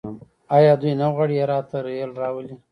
آیا دوی نه غواړي هرات ته ریل راولي؟